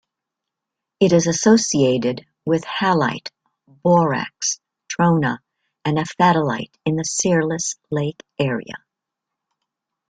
It is associated with halite, borax, trona and aphthitalite in the Searles Lake area.